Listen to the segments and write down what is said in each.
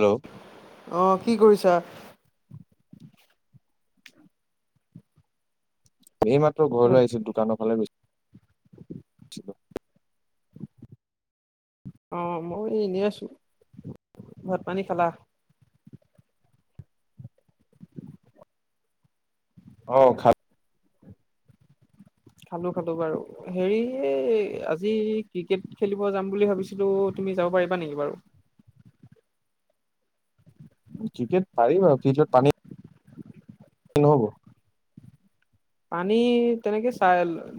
Hello অঁ কি কৰিছা! এই মাত্ৰ ঘৰলৈ আহিছিলো দোকানৰ ফালে গৈ [inaudible] [inaudible] অ', মই এনেই আছো, ভাত পানী খালা? অঁ খাল খালো, খালো বাৰু হেৰি আজি ক্ৰিকেট খেলিব যাম বুলি ভাবিছিলো। তুমি যাব পাৰিবা নেকি বাৰু ক্ৰিকেট পাৰিম আৰু ফিল্ডত পানী হ'ব। পানী তেনেকে চাই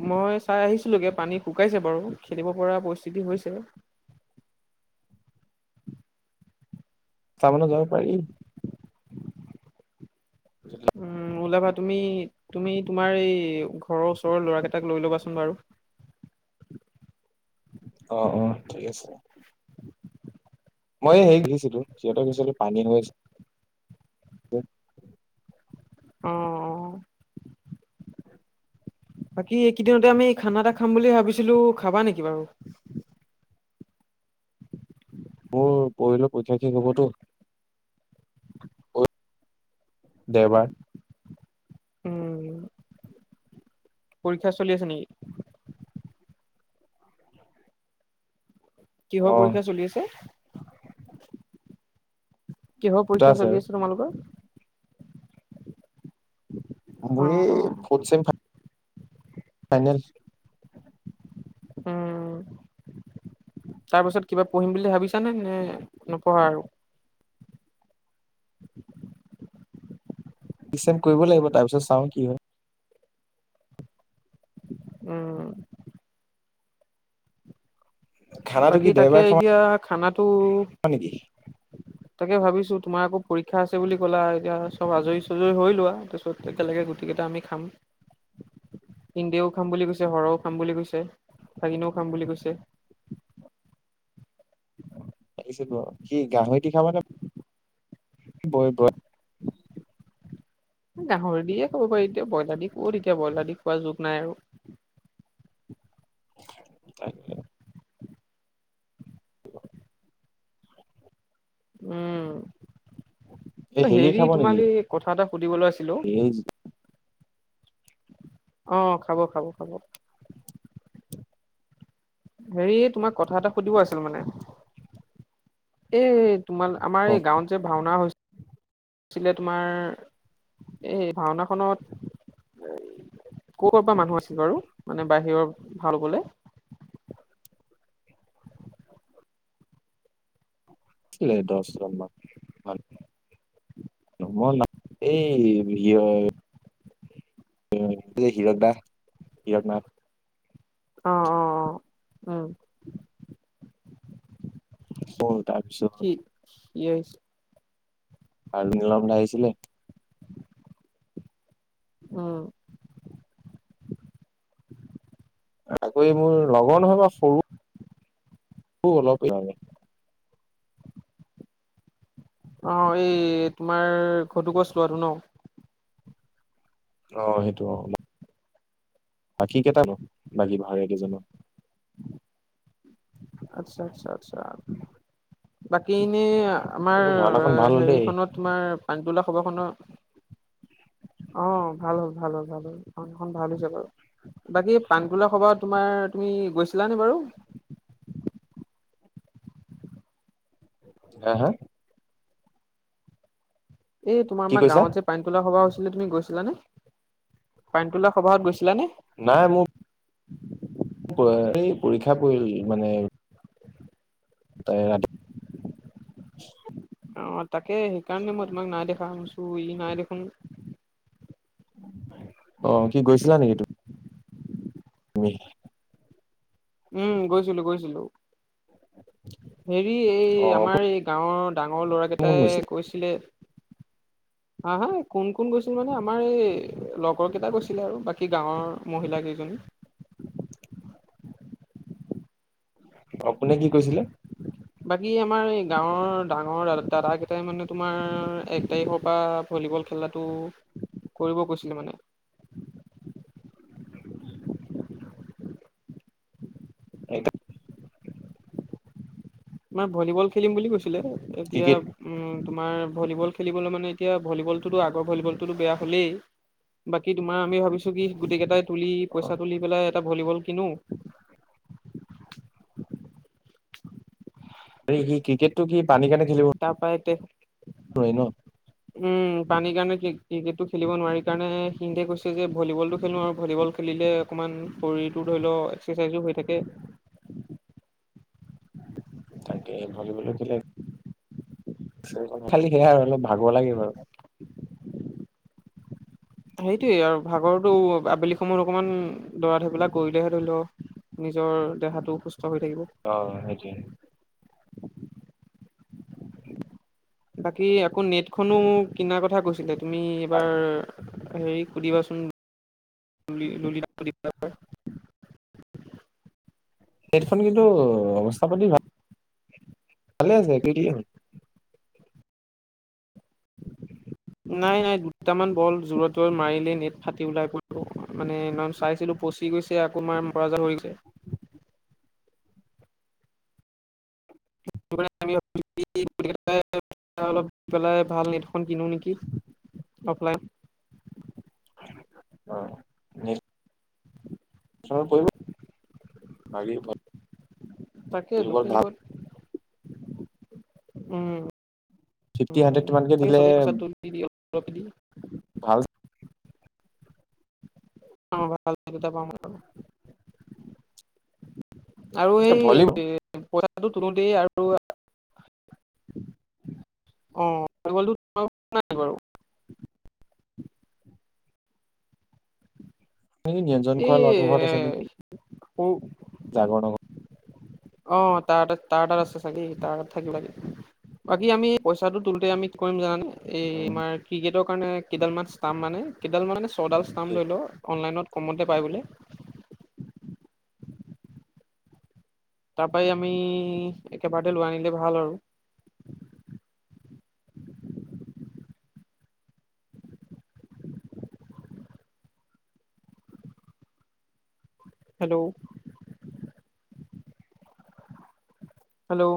মই চাই আহিছিলগে পানী শুকাইছে বাৰু খেলিব পৰা পইছা। চিতি হৈছে। তামানে যাব পাৰি। উম ওলাবা তুমি তুমি তোমাৰ এই ঘৰৰ ওচৰৰ ল'ৰা কেইটা তাক লৈ ল'বাচোন বাৰু অ', অ', ঠিক আছে। [inaudible] মই সেই গিছিলো সিহঁত গছিলো পানী হৈ অ', অ'। বাকী এইকেইদিনতে আমি খানা এটা খাম বুলি ভাবিছিলো খাবা নেকি বাৰু মোৰ পৰহিলৈ পৰীক্ষা শেষ হব তো দেওবাৰ উম পৰীক্ষা চলি আছে নেকি। কিহৰ অ পৰীক্ষা চলি আছে? কিহৰ দুটা পৰীক্ষা আৰু চলি আছে তোমালোকৰ? অ মোৰ অ এই ফৰ্থ চেম ফাইনেল উম। তাৰ পাছত কিবা পঢ়িম বুলি ভাবিছানে নে নপঢ়া আৰু। ডিচেন কৰিব লাগিব তাৰ পিছত চাওঁ কি হয় উম। খানাটো কি বাকী তাকে দেওবাৰে খাবা এতিয়া খানাটো। নেকি তাকে ভাবিছো তোমাৰ আকৌ পৰীক্ষা আছে বুলি ক'লা এতিয়া চব আজৰি চজৰি হৈ লোৱা তাছত একেলগে গোটেইকেইটা আমি খাম সিনডেও খাম বুলি কৈছে হৰও খাম বুলি কৈছে। ভাগিনেও খাম বুলি কৈছে। আহি যাব কি গাহৰিদি খাবনে বয় ব গাহৰি দিয়ে কব পাৰি এতিয়া ব্ৰইলাৰ দি ক'ত এতিয়া ব্ৰইলাৰ দি খোৱা যুগ নাই আৰু। তাকে। [inaudible] উম, এই অ হেৰি খাব নেকি তোমাক এই কথা এটা সুধিবলৈ আছিল অ। এই অ খাব খাব খাব। হেৰি তোমাক কথা এটা সুধিব আছিল মানে। এ তোমাৰ আমাৰ কম এই গাঁৱত যে ভাওনা হৈছ ছিলে তোমাৰ এই ভাওনাখনত এই কবাপা মানুহ আছিল বাৰু মানে বাহিৰৰ ভাল বোলে। ঠিলে দছ ৰন মান মই ন এই বি [unintelligible] হিৰক দা হিৰক নাথ অ অ অ উম [unintelligible] কি [unintelligible] আৰু নীলমদা আহিছিলে উম আকৌ ইমোৰ লগৰ নহয় বা সৰু অলপ লাগে অ এই তোমাৰ ঘটোকচ লোৱাটো ন অ সেইটো অ বাকী কেইটা বাও বাকী ভাৱৰীয়া কেইজনৰ আচ্ছা আচ্ছা আচ্ছা বাক কিনে আমাৰ কিন্তু ভাওনাখন ভাল হ'ল দেই হেৰিখনত তোমাৰ পানীতোলা সভাখনৰ [unintelligible] অ ভাল হল ভাল হল ভাল হল অ এখন ভাল হৈছে বাৰু বাকী পানীতোলা সবাহ তোমাৰ তুমি তুমি গৈছিলানে বাৰু হে হে এই তোমাৰ কি আমাৰ কৈছা গাঁৱত যে পানীতোলা সভা হৈছিলে তুমি গৈছিলানে পানীতোলা সবাহত গৈছিলানে নাই মোৰ [unintelligible] এই পৰীক্ষা পৰিল মানে তাৰে ৰাত অ তাকে সেইকাৰণে মই তোমাক নাই দেখা শছো ই নাই দেখোন অ কি গৈছিলা নেকি তুমি তুমি উম গৈছিলো গৈছিলো হেৰি এই অ আমাৰ কোন এই গাঁৱত ডাঙৰ কোন ল'ৰাকেইটাই গৈছিলা কৈছিলে হা হা কোন কোন গৈছিল মানে আমাৰ এই লগৰ কেইটা গৈছিলে আৰু বাকী গাঁৱৰ মহিলা কি কলি আপুনি কি কৈছিলে বাকী আমাৰ এই গাঁৱৰ ডাঙৰ দাদা কেইটাই মানে তোমাৰ এক তাৰিখৰ পৰা ভলীবল খেলাটো কৰিব কৈছিলে মানে [inaudible] একদম তোমাৰ ভলীবল খেলিম বুলি কৈছিলে এতিয়া ক্ৰিকেট উম তোমাৰ ভলীবল খেলিবলৈ মানে এতিয়া ভলীবলটোতো আগৰ ভলীবলটোতো বেয়া হলেই বাকী তোমাৰ আমি ভাবিছো কি গোটেই কেইটাই তুলি পইচা তুলি পেলাই এটা ভলীবল কিনো এই ক্ৰিকেটটো কি তাপাইতে পৰে ন উম পানীৰ কাৰণে ক্ৰিকেটটো খেলিব নোৱাৰি কাৰণে সিংধে কৈছে যে ভলীবল টো খেলো আৰু ভলীবল খেলিলে অকণমান শৰীৰটো ধৰি লওক এক্সাৰচাইজো হৈ থাকে। তাকে ভলীবলো খেলে খালি সেয়াই আৰু অলপ ভাগৰ লাগে বাৰু সেইটোয়ে আৰু ভাগৰতো আবেলি সময়ত অকমান দৌৰা ধপৰা কৰিলেহে ধৰি লও নিজৰ দেহাটো সুস্থ হৈ থাকিব অ সেইটো বাকী আকৌ নেটখনো কিনাৰ কথা কৈছিলে তুমি এইবাৰ হেৰি সুধিবাচোন। [unintelligible] হেডফোন কিন্তু অৱস্থা পাতি ভাল ভাল আছে পটি এ নাই নাই দুটামান বল জোৰত জত মাৰিলে নেট ফাটি ওলাই পৰিব মানে চাইছিলো পচি গৈছে আকৌ মাৰ বাৰাজা উৰিলে। [unintelligible] অলপ পেলাই ভাল নেটখন কিনো নেকি অফলাইন। অ নি [inaudible] পৰি বাকী তাকে ভলীবল ভাল দক্ষিণগত উম ফিফটি হাণ্ড্ৰেড মানকে দিলে ৰপ দি ভাল অ ভাল থে প আৰু এ সেই ভলীবল পইচাটো তনোতে আৰু আহ ভ নাই বাৰু [inaudible] ন ব্যঞ্জন এই খোৱা ল'ৰাটোৰ ঘৰত আছে নেকি সৰু জাগৰণ অ তাত ত তাত আছে চাগে তাত থাকিব লাগে বাকী আমি পইচাটো তোলোতে আমি কি কৰিম জানে এই আমাৰ উম, ক্ৰিকেটৰ কাৰণে কেইডালান ষ্টাম্প মানে কেইডাল মান মানে ছডাল ষ্টাম লয় লওঁ অনলাইনত। কমতে পায় বোলে তাৰপাই আমি একেবাৰতে লৈ আনিলে ভাল আৰু। [inaudible] হেল্ল'! হেল্ল'!